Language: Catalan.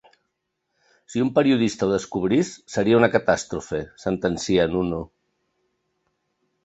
Si un periodista ho descobrís, seria una catàstrofe —sentencia Nuno.